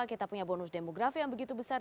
kita punya bonus demografi yang begitu besar